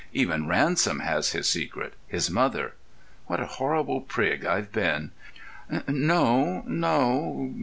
Even Ransom has his secret—his mother.... What a horrible prig I've been!" "No, no!